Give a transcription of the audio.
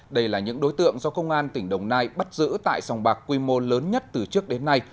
đây là những đối tượng do công an tỉnh đồng nai bắt giữ tại sòng bạc quy mô lớn nhất từ trước đến nay